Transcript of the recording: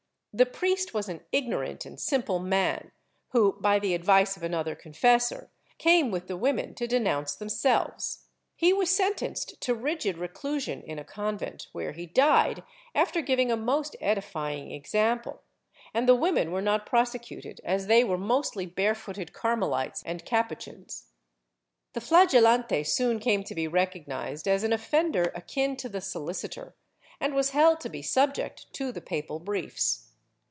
The priest was an ignorant and simple man who, by the advice of another confessor, came with the women to denounce themselves. He was sentenced to rigid reclusion in a convent, where he died after giving a most edifying example, and the women were not prosecuted, as they were mostly barefooted Carmelites and Capuchins.^ The jlagelante soon came to be recognized as an offender akin to the sohcitor, and was held to be subject to the papal briefs.